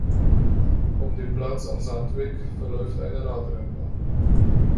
Um den Platz am Sandweg verläuft eine Radrennbahn.